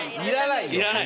いらない。